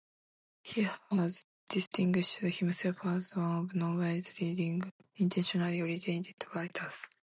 He has distinguished himself as one of Norway's leading internationally oriented writers.